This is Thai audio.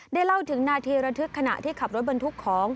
เล่าถึงนาทีระทึกขณะที่ขับรถบรรทุกของ